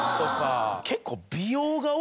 結構。